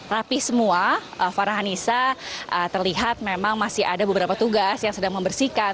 rapi semua farhanisa terlihat memang masih ada beberapa tugas yang sedang membersihkan